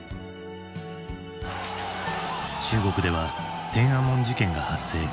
中国では天安門事件が発生。